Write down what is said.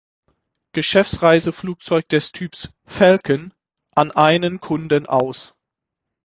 Geschäftsreiseflugzeug des Typs ‚Falcon‘ an einen Kunden aus.